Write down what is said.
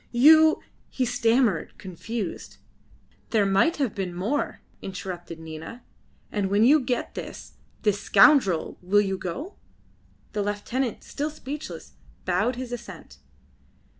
You " he stammered, confused. "There might have been more," interrupted Nina. "And when you get this this scoundrel will you go?" The lieutenant, still speechless, bowed his assent.